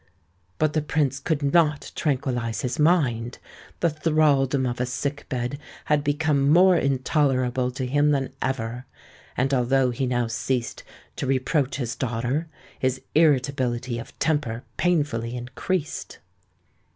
But the Prince could not tranquillize his mind: the thraldom of a sick bed had become more intolerable to him than ever; and, although he now ceased to reproach his daughter, his irritability of temper painfully increased.